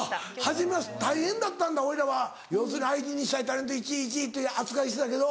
初めは大変だったんだ俺らは要するに愛人にしたいタレント１位１位という扱いしてたけど。